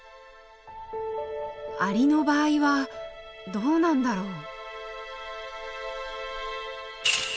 アリの場合はどうなんだろう。